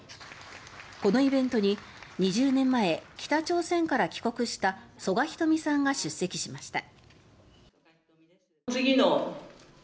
このイベントに２０年前、北朝鮮から帰国した曽我ひとみさんが出席しました。